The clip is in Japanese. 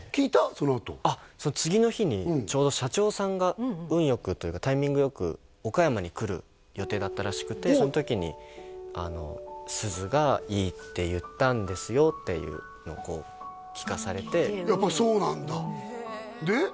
そのあとあっその次の日にちょうど社長さんが運よくというかタイミングよく岡山に来る予定だったらしくてその時にっていうのをこう聞かされてやっぱそうなんだで？